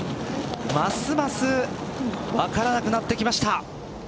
ますます分からなくなってきました。